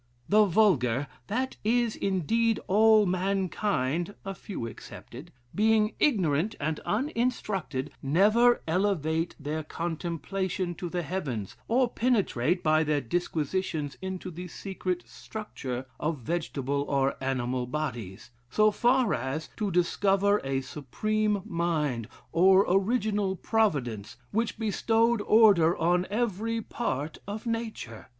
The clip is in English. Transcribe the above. The vulgar that is, indeed, all mankind, a few excepted being ignorant and uninstructed, never elevate their contemplation to the heavens, or penetrate by their disquisitions into the secret structure of vegetable or animal bodies; so far as, to discover a Supreme Mind or Original Providence, which bestowed order on every part of nature.